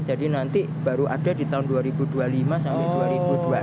jadi nanti baru ada di tahun dua ribu dua puluh lima sampai dua ribu dua puluh enam